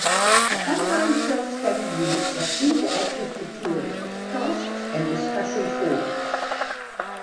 The online self-study units have interactive materials, tasks and discussion forums.